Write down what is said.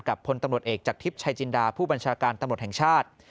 พลตำรวจเอกจากทิพย์ชายจินดาผู้บัญชาการตำรวจแห่งชาติ